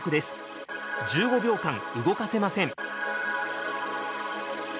１５秒間動かせません。